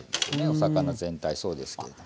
お魚全体そうですけれど。